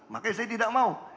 makanya saya tidak mau